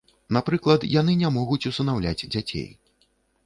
Напрыклад, яны не могуць усынаўляць дзяцей.